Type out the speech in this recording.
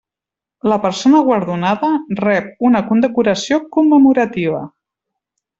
La persona guardonada rep una condecoració commemorativa.